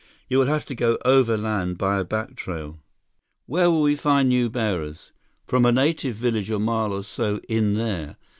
You will have to go overland by a back trail." "Where will we find new bearers?" "From a native village a mile or so in there."